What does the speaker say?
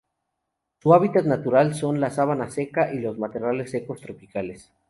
Su hábitat natural son la sabana seca y los matorrales secos tropicales.